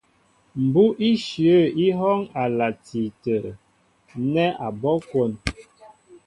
Mbú' íshyə̂ í hɔ́ɔ́ŋ a lati tə̂ nɛ́ abɔ́' kwón.